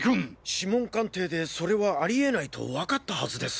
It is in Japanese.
指紋鑑定でそれはあり得ないとわかったはずです。